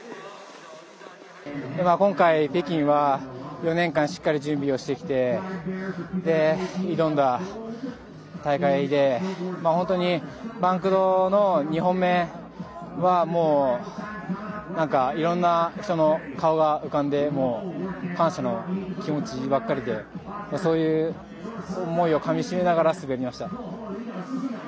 今回、北京は４年間しっかり準備をしてきて挑んだ大会で本当にバンクドの２本目はいろんな人の顔が浮かんでもう感謝の気持ちばっかりでそういう思いをかみしめながら滑りました。